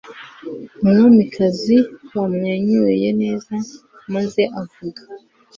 Umwamikazi yamwenyuye neza maze avuga